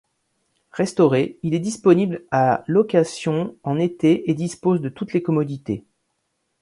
Restauré, il est disponible à location en été et dispose de toutes les commodités.